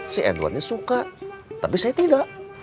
si edwardnya suka tapi saya tidak